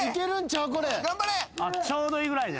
ちょうどいい。